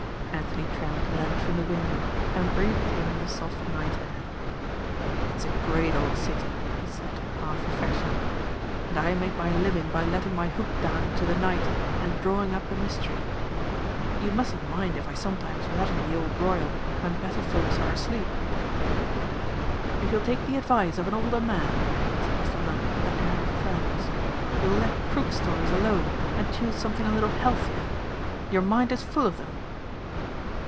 Anthony Trent leaned from the window and breathed in the soft night air. "It's a great old city," he said, half affectionately, "and I make my living by letting my hook down into the night and drawing up a mystery. You mustn't mind if I sometimes rattle the old Royal when better folks are asleep." "If you'll take the advice of an older man," said Mr. Lund with an air of firmness, "you'll let crook stories alone and choose something a little healthier. Your mind is full of them."